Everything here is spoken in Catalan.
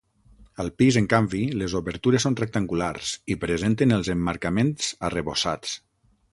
Al pis, en canvi, les obertures són rectangulars i presenten els emmarcaments arrebossats.